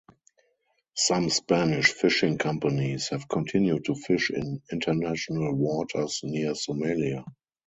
Some Spanish fishing companies have continued to fish in international waters near Somalia.